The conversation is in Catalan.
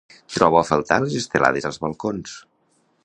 Trobo a faltar les estelades als balcons